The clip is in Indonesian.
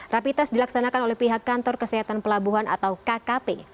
rapi tes dilaksanakan oleh pihak kantor kesehatan pelabuhan atau kkp